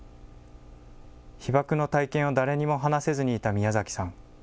被爆の体験を誰にも話せずにいた宮崎さん。